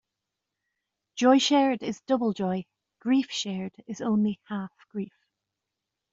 Joy shared is double joy; grief shared is only half grief.